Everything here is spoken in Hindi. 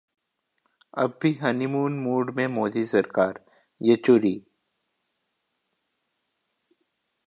अब भी हनीमून मूड में मोदी सरकार: येचुरी